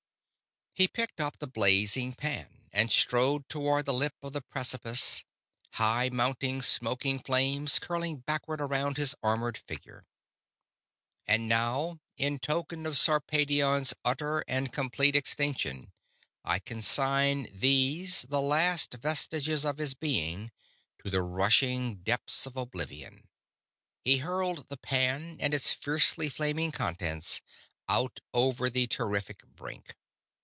He picked up the blazing pan and strode toward the lip of the precipice; high mounting, smoky flames curling backward around his armored figure. "And now, in token of Sarpedion's utter and complete extinction, I consign these, the last vestiges of his being, to the rushing depths of oblivion." He hurled the pan and its fiercely flaming contents out over the terrific brink.